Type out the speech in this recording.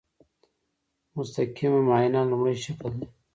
مستقیم معاینه لومړی شکل دی.